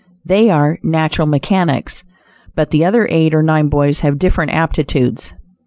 They are natural mechanics; but the other eight or nine boys have different aptitudes.